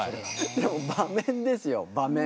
でも場面ですよ場面。